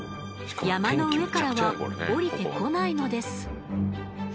山の上からは下りてこないのです。